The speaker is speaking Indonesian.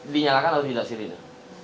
dinyalakan atau tidak sirine